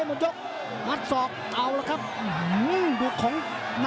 โอ้โหโอ้โหโอ้โหโอ้โหโอ้โหโอ้โหโอ้โหโอ้โห